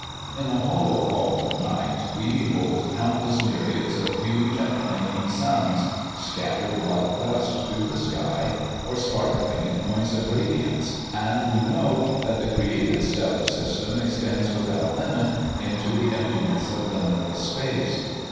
In the hollow vault of night we behold countless myriads of huge and flaming suns, scattered like dust through the sky, or sparkling in points of radiance, and we know that that created stellar system extends, without limit, into the emptiness of limitless space.